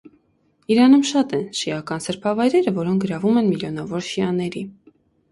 Իրանում շատ են շիական սրբավայրերը, որոնք գրավում են միլիոնավոր շիաների։